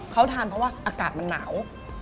เขาทานเพราะว่าอากาศมันหนาว